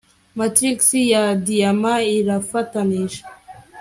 Matrix ya diyama irafatanije